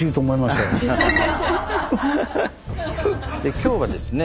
今日はですね